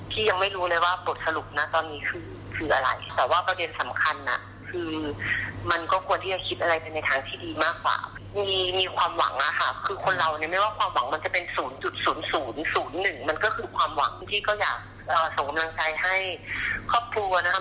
ส่งกำลังใจให้ครอบครัวนะครับ